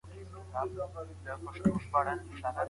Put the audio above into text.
په دفترونو کي باید د فساد مخه ونیول سي.